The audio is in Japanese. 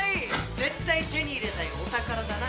絶対手に入れたいお宝だな。